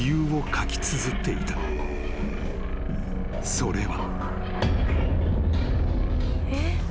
［それは］